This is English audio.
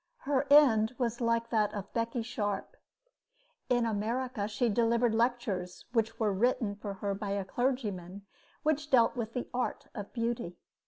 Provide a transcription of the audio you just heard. Her end was like that of Becky Sharp. In America she delivered lectures which were written for her by a clergyman and which dealt with the art of beauty.